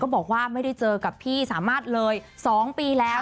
บอกว่าไม่ได้เจอกับพี่สามารถเลย๒ปีแล้ว